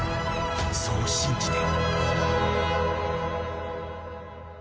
そう信じて。